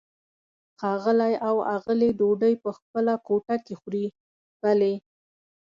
ښاغلی او آغلې ډوډۍ په خپله کوټه کې خوري؟ بلې.